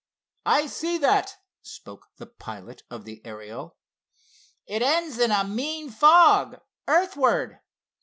"I see that," spoke the pilot of the Ariel. "It ends in a mean fog, earthward."